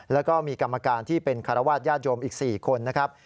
แล้วก็มีกรรมการที่เป็นคารวาสญาติโยมอีก๔คนนะครับ